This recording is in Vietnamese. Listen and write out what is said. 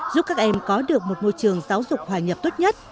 giúp các em có được một môi trường giáo dục hòa nhập tốt nhất